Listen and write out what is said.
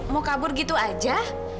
mau kabur gitu aja